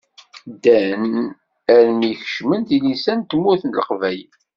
Ddan armi i kecmen tilisa n tmurt n Leqbayel.